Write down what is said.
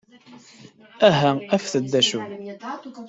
Aha afet-d d acu!